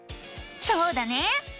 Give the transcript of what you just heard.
そうだね！